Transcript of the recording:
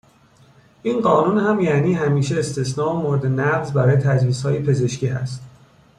این قانون هم یعنی همیشه استثنا و مورد نقض برای تجویزهای پزشکی هست.